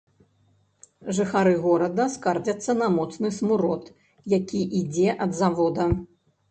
Жыхары горада скардзяцца на моцны смурод, які ідзе ад завода.